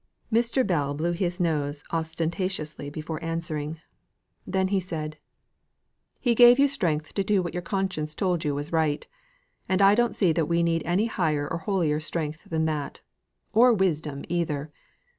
Mr. Bell blew his nose ostentatiously before answering. Then he said: "He gave you strength to do what your conscience told you was right; and I don't see that we need any higher or holier strength than that; or wisdom either.